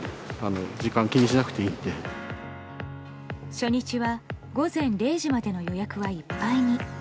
初日は、午前０時までの予約はいっぱいに。